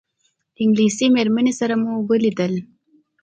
انګلیسي مېرمنې سره مو ولیدل.